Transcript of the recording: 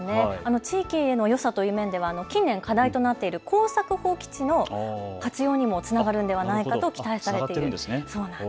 地域へのよさという面では近年課題となっている耕作放棄地放棄地の活用にもつながるのではないかと言われています。